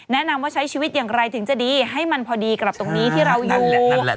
แนะนำว่าใช้ชีวิตอย่างไรถึงจะดีให้มันพอดีกับตรงนี้ที่เราอยู่